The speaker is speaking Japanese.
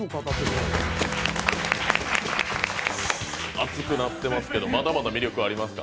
熱くなってますけど、まだまだ魅力ありますか？